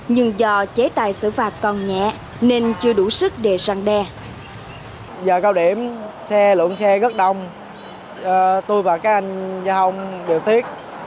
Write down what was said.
nhưng do chế tài xử phạt còn nhẹ nên chưa đủ sức để răng đe